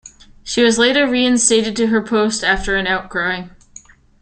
She was later re-instated to her post after an outcry.